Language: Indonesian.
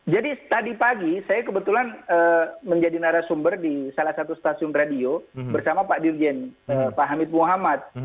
jadi tadi pagi saya kebetulan menjadi narasumber di salah satu stasiun radio bersama pak dirjen pak hamid muhammad